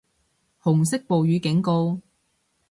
紅色暴雨警告